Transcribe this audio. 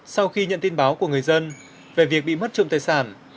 sau khi nhận tin báo của người dân về việc bị mất trộm tài sản